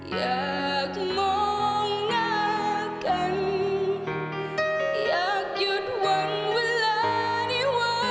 สิ่งที่ใจรู้ดี